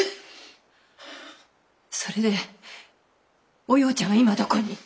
それでおようちゃんは今どこに？